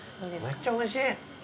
めっちゃおいしい。